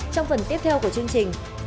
trong phần tiếp theo của chương trình